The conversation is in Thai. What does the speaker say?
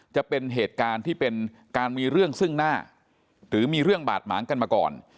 จะเป็นเหตุการณ์ที่เป็นการมีเรื่องซึ่งหน้าหรือมีเรื่องบาดหมางกันมาก่อน